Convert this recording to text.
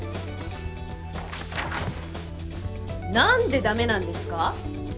なんでダメなんですか？